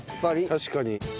確かに。